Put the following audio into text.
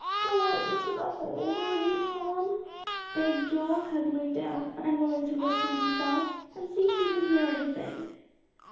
"Go out into the hall, will you, Tom," begged Joel, huddling down, unwilling to listen himself, "and see if you can hear anything."